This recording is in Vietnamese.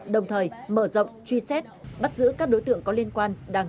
đồng thời mở rộng truy xét bắt giữ các đối tượng có liên quan